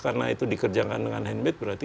karena itu dikerjakan dengan hand made berarti